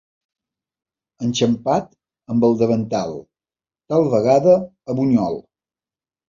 Enxampat amb el davantal, tal vegada a Bunyol.